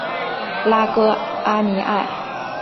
拉戈阿尼埃。